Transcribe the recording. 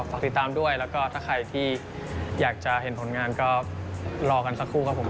ฝากติดตามด้วยแล้วก็ถ้าใครที่อยากจะเห็นผลงานก็รอกันสักครู่ครับผม